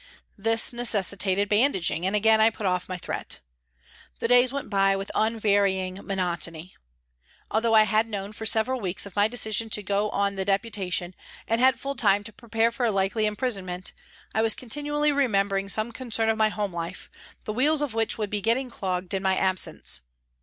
This necessitated bandaging, and again I put off my threat. The days went by with unvarying monotony. Although I had known for several weeks of my decision to go on the Deputa P. L 146 PRISONS AND PRISONERS tion and had full time to prepare for a likely imprisonment, I was continually remembering some concern of my home life, the wheels of which would be getting clogged in my absence.